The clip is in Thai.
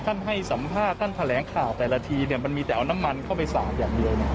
ท่านให้สัมภาษณ์ท่านแถลงข่าวแต่ละทีเนี่ยมันมีแต่เอาน้ำมันเข้าไปสาดอย่างเดียว